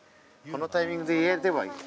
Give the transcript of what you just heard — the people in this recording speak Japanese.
このタイミングで言えればいい。